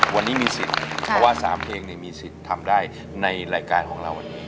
วันนี้มีสิทธิ์เพราะว่า๓เพลงมีสิทธิ์ทำได้ในรายการของเราวันนี้